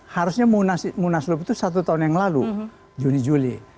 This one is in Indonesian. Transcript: harusnya munaslup itu satu tahun yang lalu juni juli